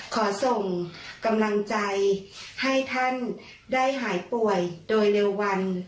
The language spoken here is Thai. ขอส่งกำลังใจให้ท่านได้หายป่วยโดยเร็ววัน